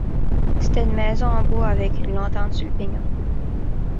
C'était une maison en bois avec une lanterne sur le pignon.